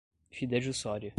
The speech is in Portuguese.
fidejussória